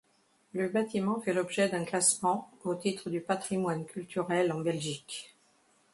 Le bâtiment fait l'objet d'un classement au titre du patrimoine culturel en Belgique.